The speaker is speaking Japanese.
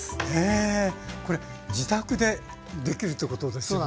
えこれ自宅でできるってことですよね？